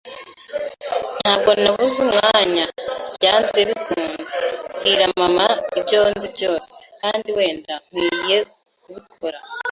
Ntabwo nabuze umwanya, byanze bikunze, mbwira mama ibyo nzi byose, kandi wenda nkwiye kubikora